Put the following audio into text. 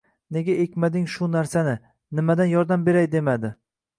nega ekmading shu narsani, nimadan yordam beray demadi.